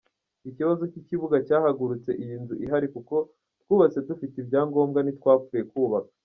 Ikibazo cy’ikibuga cyahagurutse iyi nzu ihari kuko twubatse dufite ibyangombwa ntitwapfuye kubaka.